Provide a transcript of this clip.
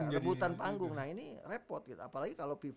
rebutan panggung jadi ini